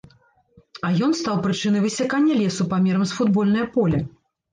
А ён стаў прычынай высякання лесу памерам з футбольнае поле.